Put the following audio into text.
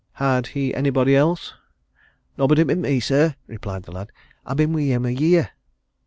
"Had he anybody else?" "Nobody but me, sir," replied the lad. "I've been with him a year."